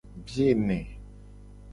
Biye ne.